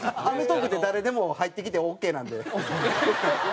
『アメトーーク』って誰でも入ってきてオーケーなんで。